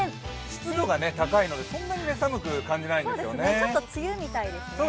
湿度が高いのでそんなに寒く感じないんですよね。